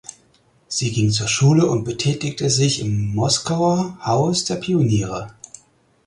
Sie ging zur Schule und betätigte sich im Moskauer Haus der Pioniere.